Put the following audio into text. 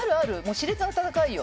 し烈な戦いよ。